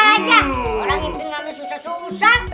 orang iping gak mau susah susah